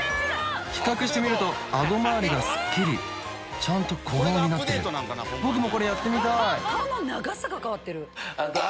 比較してみると顎回りがすっきりちゃんと小顔になってる僕もこれやってみたい！